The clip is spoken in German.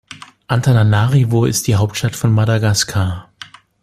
Antananarivo ist die Hauptstadt von Madagaskar.